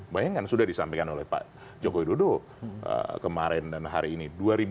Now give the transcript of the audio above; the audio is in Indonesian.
bayangkan sudah disampaikan oleh pak joko widodo kemarin dan hari ini